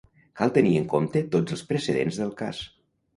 Cal tenir en compte tots els precedents del cas.